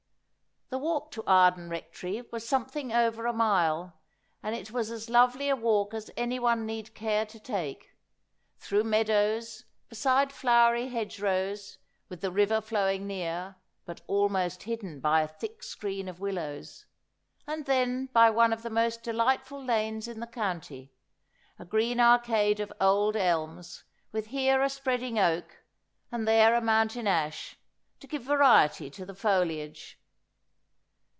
The walk to Arden Rectory was something over a mile, and it was as lovely a walk as any one need care to take ; through meadows, beside flowery hedgerows, with the river flowing near, but almost hidden by a thick screen of willows ; and then by one of the most delightful lanes in the county, a green arcade of old elms, with here a spreading oak, and there a mountain ash, to give variety to the foliage.